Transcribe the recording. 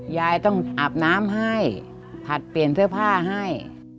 ยายต้องอาบน้ำให้ผัดเปลี่ยนเสื้อผ้าให้